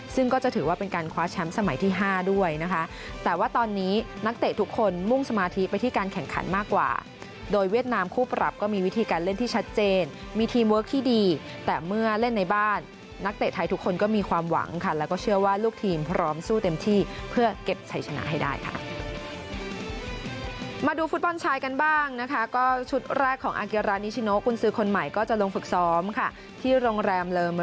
ซึ่งก็จะถือว่าเป็นการคว้าแชมป์สมัยที่๕ด้วยนะคะแต่ว่าตอนนี้นักเตะทุกคนมุ่งสมาธิไปที่การแข่งขันมากกว่าโดยเวียดนามคู่ปรับก็มีวิธีการเล่นที่ชัดเจนมีทีมเวิร์คที่ดีแต่เมื่อเล่นในบ้านนักเตะไทยทุกคนก็มีความหวังค่ะแล้วก็เชื่อว่าลูกทีมพร้อมสู้เต็มที่เพื่อเก็บชัยชนะให้ได้ค่ะมาดูฟุตบอลชายกันบ้างนะคะ